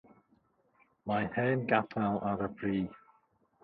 Mae hen gapel ar y brig.